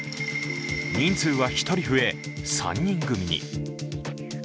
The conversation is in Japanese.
人数は１人増え、３人組に。